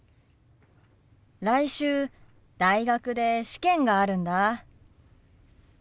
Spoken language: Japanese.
来週大学で試験があるんだ。